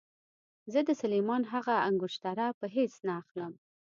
زه د سلیمان هغه انګشتره په هېڅ نه اخلم.